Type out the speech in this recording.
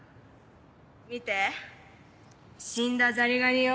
見て死んだザリガニよ。